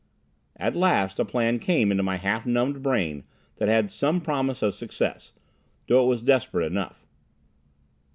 At last a plan came into my half numbed brain that had some promise of success, though it was desperate enough.